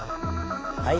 はい。